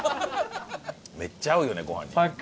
めっちゃ合うよねご飯に。